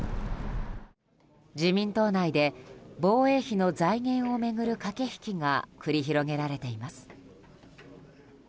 自民党内で防衛費の財源を巡る駆け引きが繰り広げられています。